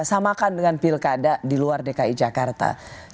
samakan dengan pilkada di luar dki jakarta